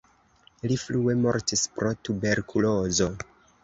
Li frue mortis pro tuberkulozo.